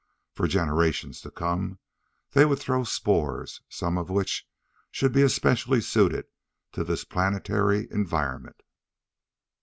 For generations to come they would throw sports, some of which should be especially suited to this planetary environment.